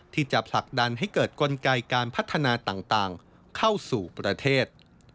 ที่จะผลักดันให้เกิดกลไกการพัฒนาต่างเข้าสู่ประเทศ